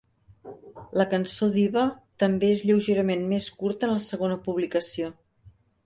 La cançó "Diva" també és lleugerament més curta en la segona publicació.